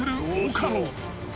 岡野］